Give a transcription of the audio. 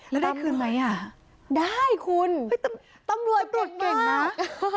แล้วได้คืนไหมอ่ะได้คุณตำรวจกดเก่งนะ